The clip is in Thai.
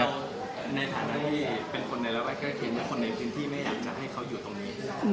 แล้วในฐานะที่เป็นคนในราวไรเกษฐินแล้วคนในพื้นที่ไม่อยากให้เขาอยู่ตรงนี้